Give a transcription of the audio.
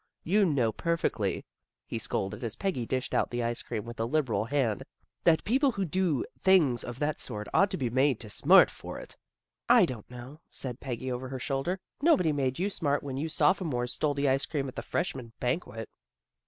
You know per fectly," he scolded, as Peggy dished out the ice cream with a liberal hand, " that people who do things of that sort ought to be made to smart for it." " I don't know," said Peggy over her shoul der. " Nobody made you smart when you Sophomores stole the ice cream at the Fresh man banquet."